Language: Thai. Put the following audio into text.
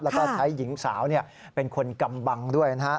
แล้วก็ใช้หญิงสาวเป็นคนกำบังด้วยนะฮะ